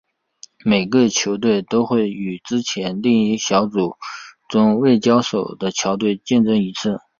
每个球队都会与之前另一小组中未交手的球队竞争一次。